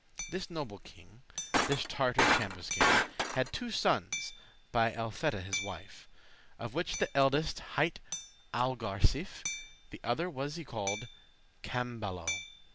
This noble king, this Tartar Cambuscan, Hadde two sons by Elfeta his wife, Of which the eldest highte Algarsife, The other was y called Camballo.